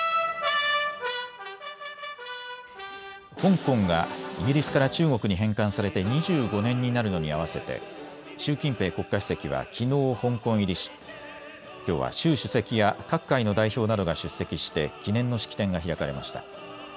香港がイギリスから中国に返還されて２５年になるのに合わせて習近平国家主席はきのう香港入りしきょうは習主席や各界の代表などが出席して記念の式典が開かれました。